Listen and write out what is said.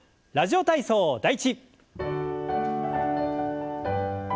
「ラジオ体操第１」。